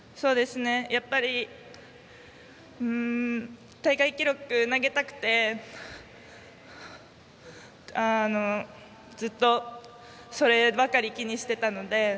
やっぱり大会記録を投げたくてずっと、そればかり気にしていたので。